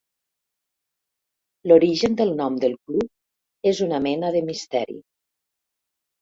L'origen del nom del club és una mena de misteri.